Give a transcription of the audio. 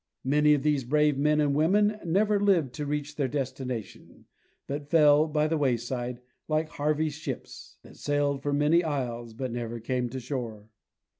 Many of these brave men and women never lived to reach their destination, but fell by the wayside, like Hervey's ships, "that sailed for sunny isles, but never came to shore."